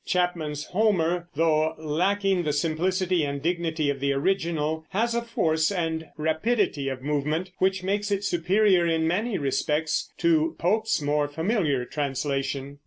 Chapman's Homer, though lacking the simplicity and dignity of the original, has a force and rapidity of movement which makes it superior in many respects to Pope's more familiar translation.